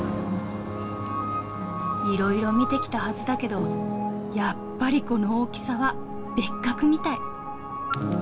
いろいろ見てきたはずだけどやっぱりこの大きさは別格みたい。